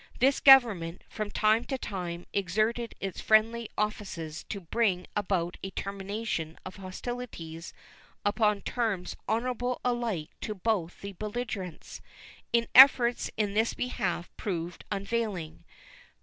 This Government from time to time exerted its friendly offices to bring about a termination of hostilities upon terms honorable alike to both the belligerents. Its efforts in this behalf proved unavailing.